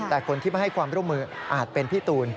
แต่คนที่มาให้ความร่วมมืออาจเป็นพี่ตูน